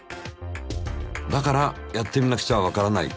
だからやってみなくちゃわからない。